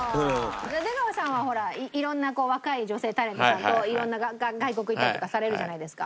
出川さんはほら色んな若い女性タレントさんと色んな外国行ったりとかされるじゃないですか。